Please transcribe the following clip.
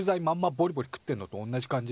ボリボリ食ってんのとおんなじ感じ？